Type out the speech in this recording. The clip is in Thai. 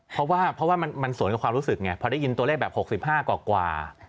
เพราะว่าเพราะว่ามันสวนกับความรู้สึกไงพอได้ยินตัวเลขแบบ๖๕กว่า